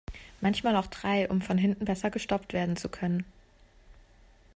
Manchmal auch drei, um von hinten besser gestoppt werden zu können.